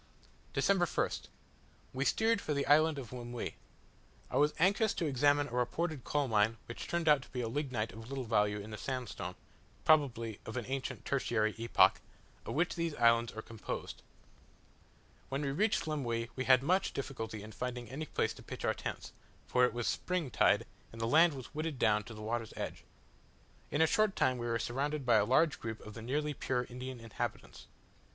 December 1st. We steered for the island of Lemuy. I was anxious to examine a reported coal mine which turned out to be lignite of little value, in the sandstone (probably of an ancient tertiary epoch) of which these islands are composed. When we reached Lemuy we had much difficulty in finding any place to pitch our tents, for it was spring tide, and the land was wooded down to the water's edge. In a short time we were surrounded by a large group of the nearly pure Indian inhabitants.